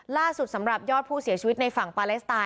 ล่าสุดสำหรับยอดผู้เสียชีวิตในฝั่งปาเลสไตน